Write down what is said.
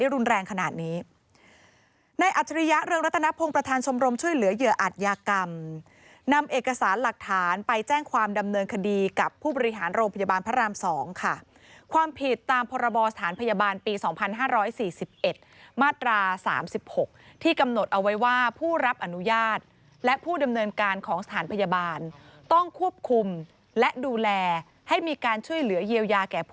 รุนแรงขนาดนี้ในอัจฉริยะเรืองรัตนพงศ์ประธานชมรมช่วยเหลือเหยื่ออัตยากรรมนำเอกสารหลักฐานไปแจ้งความดำเนินคดีกับผู้บริหารโรงพยาบาลพระราม๒ค่ะความผิดตามพรบสถานพยาบาลปี๒๕๔๑มาตรา๓๖ที่กำหนดเอาไว้ว่าผู้รับอนุญาตและผู้ดำเนินการของสถานพยาบาลต้องควบคุมและดูแลให้มีการช่วยเหลือเยียวยาแก่ผู้